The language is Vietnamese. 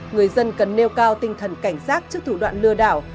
người dân cần nêu cao tinh thần cảnh giác trước thủ đoạn lừa đảo